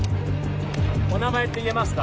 お名前って言えますか？